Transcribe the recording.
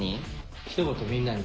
一言みんなに。